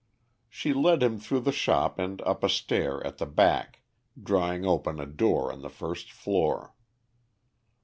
She led him through the shop and up a stair at the back, throwing open a door on the first floor.